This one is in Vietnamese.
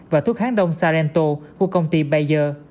và thuốc kháng đông sarento của công ty bayer